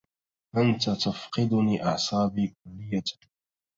أنت تفقدني أعصابي كلية.